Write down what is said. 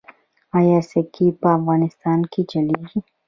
آیا سکې په افغانستان کې چلیږي؟